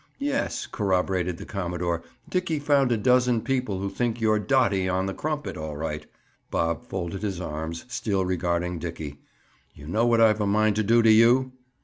"Yes," corroborated the commodore, "Dickie found a dozen people who think you're dottie on the crumpet, all right." Bob folded his arms, still regarding Dickie. "You know what I've a mind to do to you?"